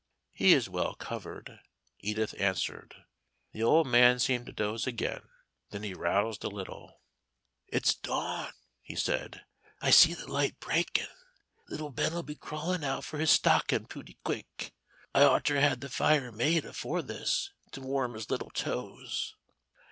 "He is well covered," Edith answered. The old man seemed to doze again. Then he roused a little. "It's dawn," he said. "I see the light breaking. Little Ben'll be crawling out for his stockin' pooty quick: I oughter had the fire made afore this, to warm his little toes.